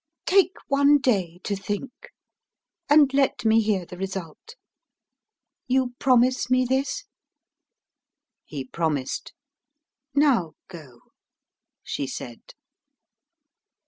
Take one day to think and let me hear the result. You promise me this?" He promised. "Now go," she said.